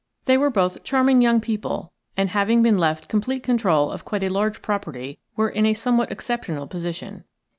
They were both charming young people, and having been left complete control of quite a large property were in a somewhat exceptional position.